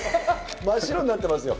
真っ白になってますよ。